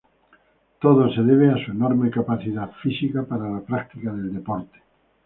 Todo se debe a su enorme capacidad física para la práctica del deporte.